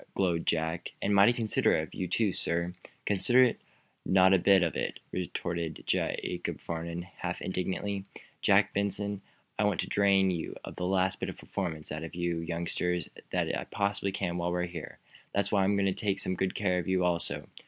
glowed Jack. "And mighty considerate of you, too, sir." "Considerate? Not a bit of it!" retorted Jacob Farnum, half indignantly. "Jack Benson, I want to drain the last bit of performance out of you youngsters that I possibly can while we're here. That's why I am going to take some good care of you, also.